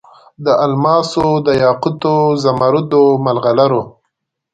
د الماسو، دیاقوتو، زمرودو، مرغلرو